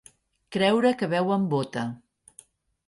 Creure que beu amb bota.